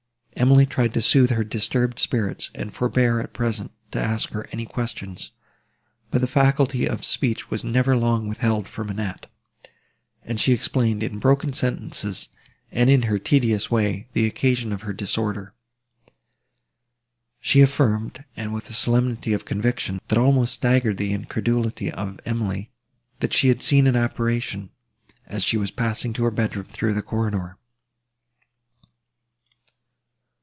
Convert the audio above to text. Emily tried to sooth her disturbed spirits, and forbore, at present, to ask her any questions; but the faculty of speech was never long withheld from Annette, and she explained, in broken sentences, and in her tedious way, the occasion of her disorder. She affirmed, and with a solemnity of conviction, that almost staggered the incredulity of Emily, that she had seen an apparition, as she was passing to her bedroom, through the corridor.